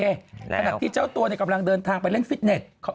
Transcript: ขณะที่เจ้าตัวกำลังเดินทางไปเล่นฟิตเน็ต